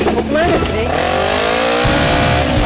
kok mana sih